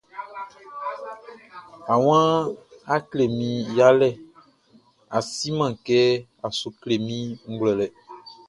A wan, a klɛ mi yalɛ, a si man kɛ, a sou klɛ mi nʼglouɛlɛ.